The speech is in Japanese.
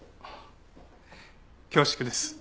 恐縮です。